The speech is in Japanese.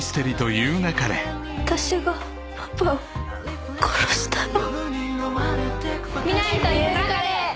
「あたしがパパを殺したの」